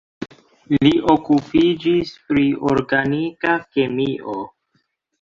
Li okupiĝis pri organika kemio.